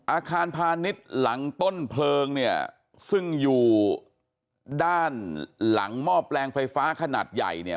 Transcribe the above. อาคารพาณิชย์หลังต้นเพลิงเนี่ยซึ่งอยู่ด้านหลังหม้อแปลงไฟฟ้าขนาดใหญ่เนี่ย